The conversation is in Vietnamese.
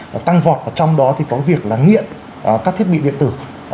và tăng vọt vào trong đó thì có việc là nghiện các thiết bị điện tử